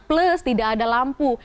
plus tidak ada lampu